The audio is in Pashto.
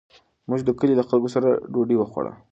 موږ د کلي له خلکو سره ډوډۍ وخوړه.